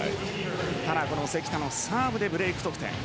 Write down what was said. ただ、関田のサーブでブレーク得点。